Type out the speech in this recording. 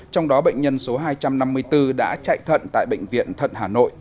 trong đó bệnh nhân số hai trăm năm mươi bốn đã chạy thận tại bệnh viện thận hà nội